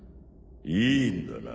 いいんだな？